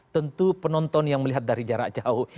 tentu penonton yang melihat dari jarak jauh